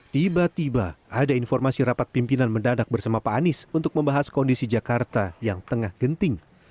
tiba tiba ada informasi rapat pimpinan mendadak bersama pak anies untuk membahas kondisi jakarta yang tengah genting